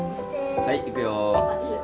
はいいくよ。